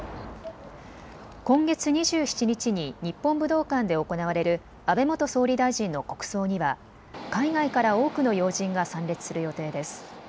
今月２７日に日本武道館で行われる安倍元総理大臣の国葬には海外から多くの要人が参列する予定です。